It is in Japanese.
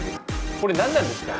これ何なんですか？